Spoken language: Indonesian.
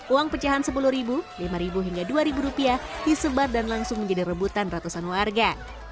uang pecahan sepuluh ribu lima ribu hingga dua ribu rupiah disebar dan langsung menjadi rebutan ratusan warga